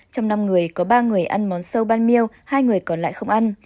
trong năm người có ba người ăn món sâu ban miêu hai người còn lại không ăn